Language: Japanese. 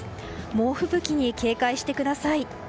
猛吹雪に警戒してください。